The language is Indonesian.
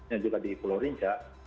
yang juga di pulau rinca